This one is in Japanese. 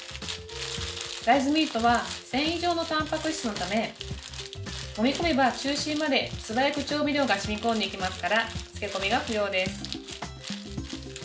大豆ミートは繊維状のたんぱく質のためもみこめば、中心まで素早く調味料が染み込んでいきますから漬け込みは不要です。